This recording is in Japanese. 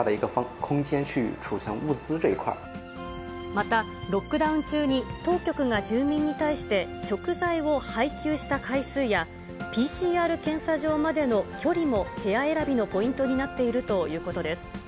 また、ロックダウン中に当局が住民に対して、食材を配給した回数やＰＣＲ検査場までの距離も、部屋選びのポイントになっているということです。